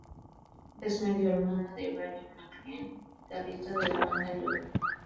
Es medio hermana de Bryan MacLean, guitarrista de la banda Love.